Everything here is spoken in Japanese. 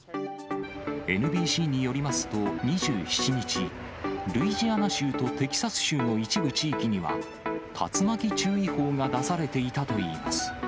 ＮＢＣによりますと、２７日、ルイジアナ州とテキサス州の一部地域には、竜巻注意報が出されていたといいます。